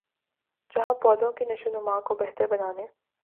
جہاں پودوں کی نشوونما کو بہتر بنانے